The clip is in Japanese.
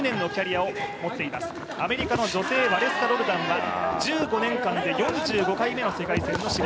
アメリカの女性ワレスカ・ロルダンは１５年間で４５回目の世界戦。